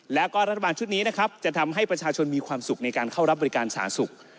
แล้วก็รัฐบาลชุดนี้นะครับจะทำให้ประชาชนมีความสุขในการเข้ารับบริการสาธารณสุข